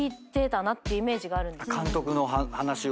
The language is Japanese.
監督の話を。